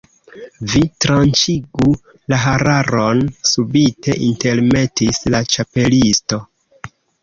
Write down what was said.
"Vi tranĉigu la hararon," subite intermetis la Ĉapelisto.